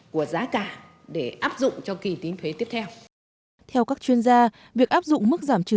của giá cả để áp dụng cho kỳ tín thuế tiếp theo theo các chuyên gia việc áp dụng mức giảm trừ